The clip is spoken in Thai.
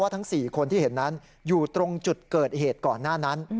ทั้ง๔คนที่เห็นนั้นอยู่ตรงจุดเกิดเหตุก่อนหน้านั้น